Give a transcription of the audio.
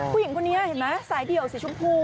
ผู้หญิงคนนี้เห็นไหมสายเดี่ยวสีชมพู